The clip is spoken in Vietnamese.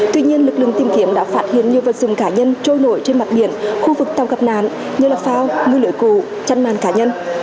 tuy nhiên lực lượng tìm kiếm đã phát hiện nhiều vật dùng cá nhân trôi nổi trên mặt biển khu vực tàu gặp nàn như là phao mưu lưỡi củ chăn màn cá nhân